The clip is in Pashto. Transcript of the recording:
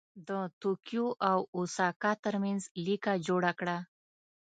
د توکیو او اوساکا ترمنځ لیکه جوړه کړه.